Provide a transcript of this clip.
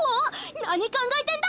なに考えてんだ